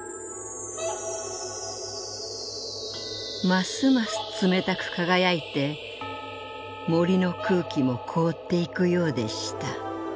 「ますます冷たく輝いて森の空気も凍っていくようでした。